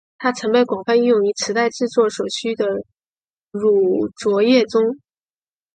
它曾被广泛应用于磁带制作所需的乳浊液中。